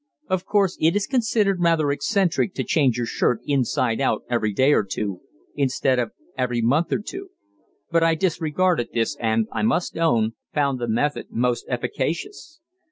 Of course it is considered rather eccentric to change your shirt inside out every day or two instead of every month or two, but I disregarded this and, I must own, found the method most efficacious.